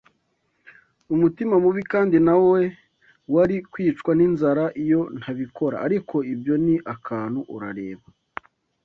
umutima mubi - kandi nawe wari kwicwa ninzara iyo ntabikora - ariko ibyo ni akantu! Urareba